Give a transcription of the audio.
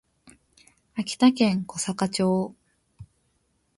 秋田県小坂町